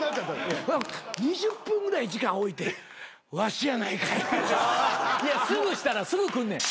２０分ぐらい時間置いて「ワシやないかい」いやすぐしたらすぐ来んねん。